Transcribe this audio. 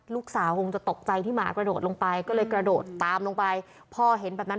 คงจะตกใจที่หมากระโดดลงไปก็เลยกระโดดตามลงไปพ่อเห็นแบบนั้น